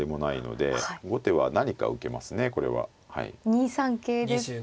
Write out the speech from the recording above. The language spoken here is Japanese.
２三桂ですとか。